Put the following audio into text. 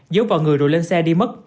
giấu vào người rồi lên xe đi mất